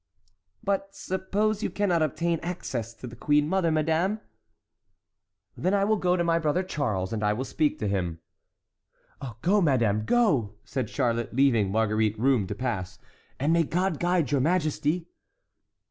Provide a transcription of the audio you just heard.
"But suppose you cannot obtain access to the queen mother, madame?" "Then I will go to my brother Charles, and I will speak to him." "Go, madame, go," said Charlotte, leaving Marguerite room to pass, "and may God guide your majesty!"